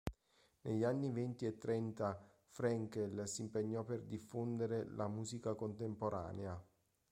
Negli anni Venti e Trenta Frenkel si impegnò per diffondere la musica contemporanea.